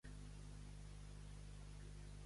Badalona, bressol del basquetbol.